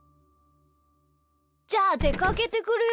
じゃあでかけてくるよ。